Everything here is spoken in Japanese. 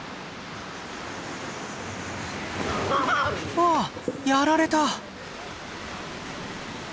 あっやられた！